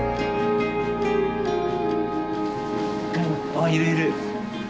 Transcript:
あいるいる。